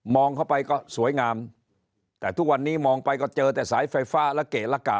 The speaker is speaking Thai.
เข้าไปก็สวยงามแต่ทุกวันนี้มองไปก็เจอแต่สายไฟฟ้าละเกะละกะ